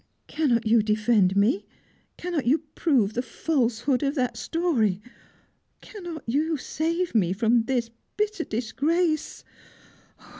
"Cannot you defend me? Cannot you prove the falsehood of that story? Cannot you save me from this bitter disgrace?